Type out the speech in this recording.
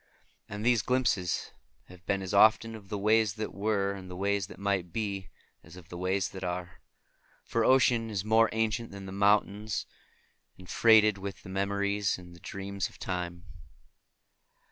And these glimpses have been as often of the ways that were and the ways that might be, as of the ways that are; for ocean is more ancient than the mountains, and freighted with the memories and the dreams of Time.